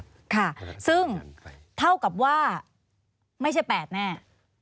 ค่ะซึ่งเท่ากับว่าไม่ใช่๘แน่